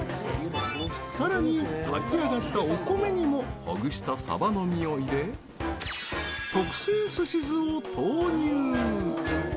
さらに炊き上がったお米にもほぐしたサバの身を入れ特製寿司酢を投入！